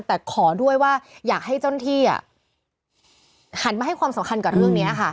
แต่ขอด้วยว่าอยากให้เจ้าหน้าที่หันมาให้ความสำคัญกับเรื่องนี้ค่ะ